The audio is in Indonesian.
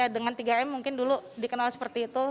dengan tiga m mungkin dulu dikenal seperti itu